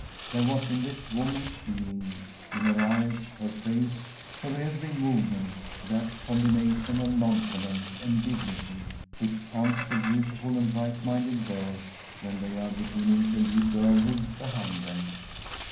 There was in this woman's being in her eyes, her face, her every movement that combination of nonchalance and dignity which comes to beautiful and bright minded girls when they are beginning to leave girlhood behind them.